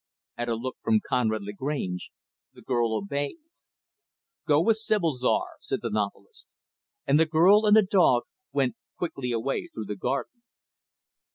At a look from Conrad Lagrange, the girl obeyed. "Go with Sibyl, Czar," said the novelist; and the girl and the dog went quickly away through the garden.